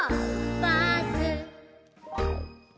バス」